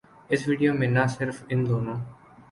اس video میں نہ صرف ان دونوں